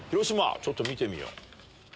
ちょっと見てみよう。